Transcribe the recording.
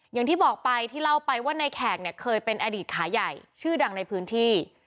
อย่างที่บอกไปที่เล่าไปว่าในแขกเนี่ยเคยเป็นอดีตขาใหญ่ชื่อดังในพื้นที่